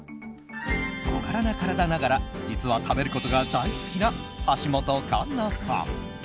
小柄な体ながら実は食べることが大好きな橋本環奈さん。